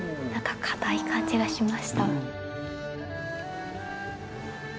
かたい感じがしました。